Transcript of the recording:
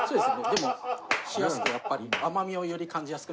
でも冷やすとやっぱり甘みをより感じやすくなるので。